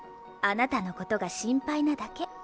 あなたのことが心配なだけ。